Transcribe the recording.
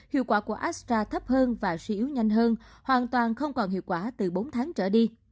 hiệu quả của astra thấp hơn và suy yếu nhanh hơn hoàn toàn không còn hiệu quả từ bốn tháng trở đi